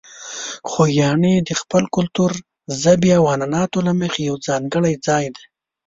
خوږیاڼي د خپل کلتور، ژبې او عنعناتو له مخې یو ځانګړی ځای دی.